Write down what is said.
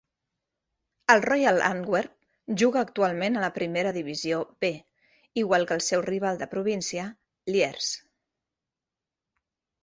El Royal Antwerp juga actualment a la Primera Divisió B, igual que el seu rival de província Lierse.